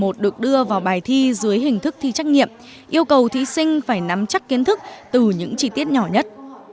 thí sinh được đưa vào bài thi dưới hình thức thi trắc nghiệm yêu cầu thí sinh phải nắm chắc kiến thức từ những trí tiết nhỏ nhất